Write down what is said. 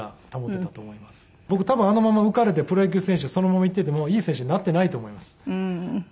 僕多分あのまま浮かれてプロ野球選手にそのままいっていてもいい選手になってないと思います。